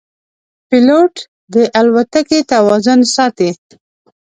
پیلوټ د الوتکې توازن ساتي.